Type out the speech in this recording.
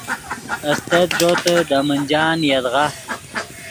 استت ݱوتے دے منجان یدغا